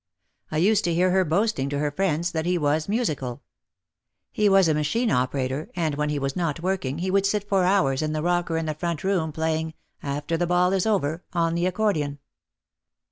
I used to hear her boasting to her friends that he was musical. He was a machine operator and when he was not working he would sit for hours in the rocker in the front room playing "After the Ball is Over" on the accordion.